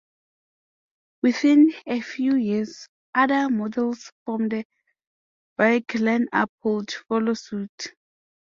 Within a few years, other models from the Buick lineup would follow suit.